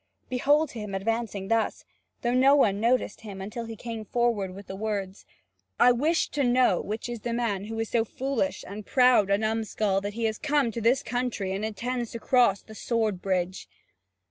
Behold him advancing thus, though no one noticed him until he came forward with the words: "I wish to know which is the man who is so foolish and proud a numskull that he has come to this country and intends to cross the sword bridge.